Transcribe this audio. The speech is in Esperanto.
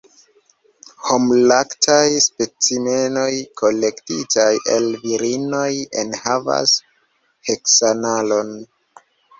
Homlaktaj specimenoj kolektitaj el virinoj enhavas heksanalon.